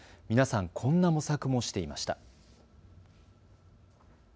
皆さん、こんな模索もしていました。